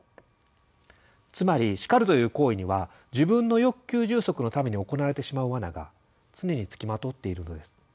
つまり「叱る」という行為には自分の欲求充足のために行われてしまう罠が常に付きまとっているのです。